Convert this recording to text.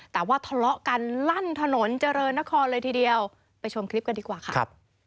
แต่ว่าทะเลาะกันลั่นถนนเจริญนครเลยทีเดียวไปชมคลิปกันดีกว่าค่ะ